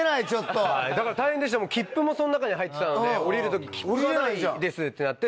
だから大変でした切符もその中に入ってたので降りる時切符がないですってなって。